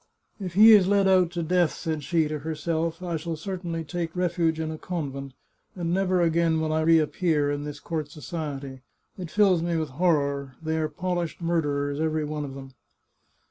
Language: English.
" If he is led out to death," said she to herself, " I shall certainly take refuge in a convent, and never again will I reappear in this court society. It fills me with horror ; they are polished murderers, every one of them